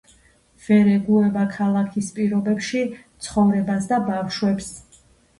ვერ ეგუება ქალაქის პირობებში ცხოვრებას და ბავშვებს.